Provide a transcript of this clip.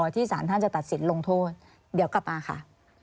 ที่สารท่านจะตัดสินลงโทษเดี๋ยวกลับมาค่ะ